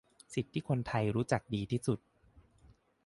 สิทธิที่คนไทยรู้จักดีที่สุด